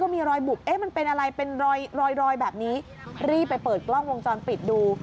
มันเป็นอะไรเป็นรอยแบบนี้รีบไปเปิดกล้องวงจรปิดดู